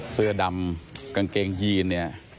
เสื้อดำกางแกงยีน